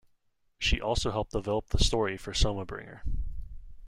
She also helped develop the story for "Soma Bringer".